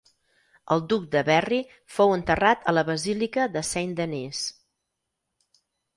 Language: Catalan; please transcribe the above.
El duc de Berry fou enterrat a la Basílica de Saint-Denis.